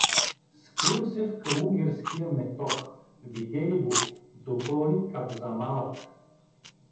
— Скрил се в калугерския метох, видели го — допълни капзамалът.